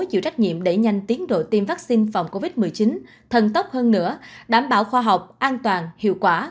chịu trách nhiệm đẩy nhanh tiến độ tiêm vaccine phòng covid một mươi chín thần tốc hơn nữa đảm bảo khoa học an toàn hiệu quả